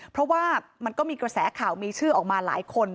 เพราะว่ามันก็มีกระแสข่าวมีชื่อออกมาหลายคน